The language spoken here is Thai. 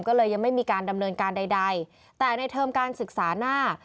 ก็เลยยังไม่มีการดำเนินการใดแต่ในเทอมการศึกษาหน้า